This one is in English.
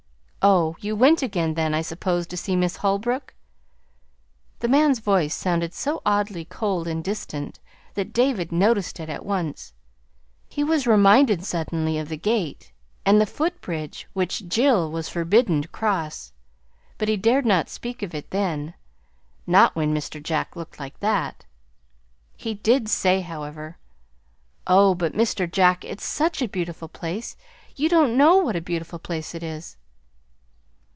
"Oh, you went again, then, I suppose, to see Miss Holbrook." The man's voice sounded so oddly cold and distant that David noticed it at once. He was reminded suddenly of the gate and the footbridge which Jill was forbidden to cross; but he dared not speak of it then not when Mr. Jack looked like that. He did say, however: "Oh, but, Mr. Jack, it's such a beautiful place! You don't know what a beautiful place it is."